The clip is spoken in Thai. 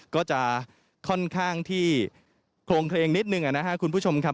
ก็จะค่อนข้างที่โครงเคลงนิดหนึ่งนะครับคุณผู้ชมครับ